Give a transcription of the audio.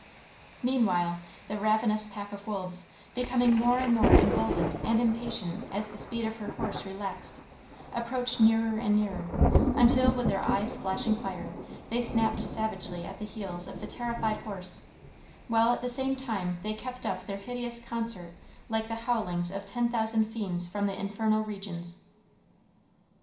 Meantime the ravenous pack of wolves, becoming more and more emboldened and impatient as the speed of her horse relaxed, approached nearer and nearer, until, with their eyes flashing fire, they snapped savagely at the heels of the terrified horse, while at the same time they kept up their hideous concert like the howlings of ten thousand fiends from the infernal regions.